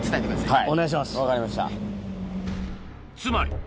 はい。